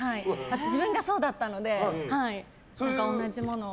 自分がそうだったので同じものを。